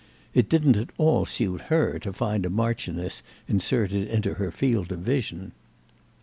It didn't at all suit her to find a marchioness inserted into her field of vision.